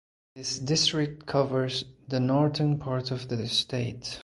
This district covers the northern part of the state.